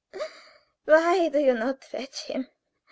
Why do you not fetch him?